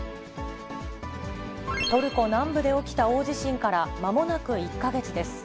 トルコ南部で起きた大地震からまもなく１か月です。